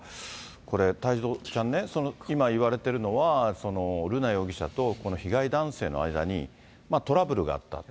これ、太蔵ちゃんね、今言われてるのは、瑠奈容疑者と、この被害男性の間にトラブルがあったと。